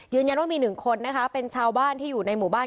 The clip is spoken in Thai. ยืนยันว่ามีหนึ่งคนนะคะเป็นชาวบ้านที่อยู่ในหมู่บ้าน